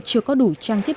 chưa có đủ trang thiết